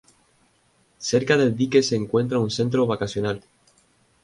Cerca del dique se encuentra un centro vacacional.